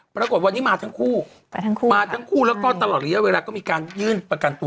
ปรากฏวันนี้มาทั้งคู่มาทั้งคู่แล้วก็ตลอดหรือเลี้ยวเวลาก็มีการยื่นประกันตัว